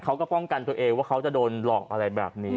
ป้องกันตัวเองว่าเขาจะโดนหลอกอะไรแบบนี้